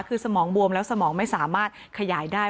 คือสมองบวมแล้วสมองไม่สามารถขยายได้